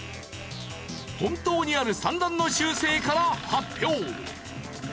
本当にある産卵の習性から発表。